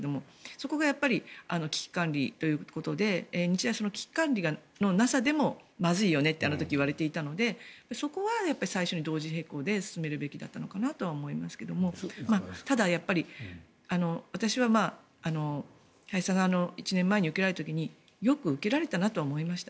そこが危機管理ということで日大は危機管理のなさでもまずいよねってあの時、言われていたのでそこは最初に同時並行で進めるべきだったのかなと思いますがただ、私は、林さんが１年前に受けられた時によく受けられたなと思いました。